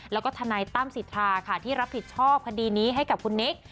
แล้วก็ทนายตั้มสิทธาค่ะที่รับผิดชอบคดีนี้ให้กับคุณนิก